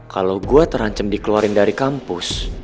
kalau saya terancam dikeluarkan dari kampus